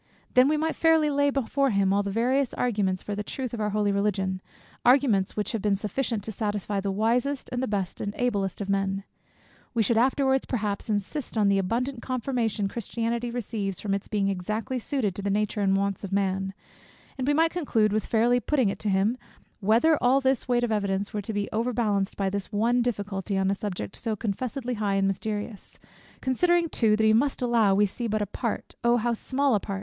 Then we might fairly lay before him all the various arguments for the truth of our holy religion; arguments which have been sufficient to satisfy the wisest, and the best, and the ablest of men. We should afterwards perhaps insist on the abundant confirmation Christianity receives from its being exactly suited to the nature and wants of man; and we might conclude, with fairly putting it to him, whether all this weight of evidence were to be overbalanced by this one difficulty, on a subject so confessedly high and mysterious, considering too that he must allow, we see but a part (O how small a part!)